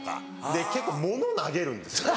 で結構物投げるんですよ。